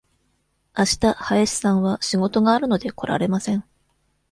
あした林さんは仕事があるので、来られません。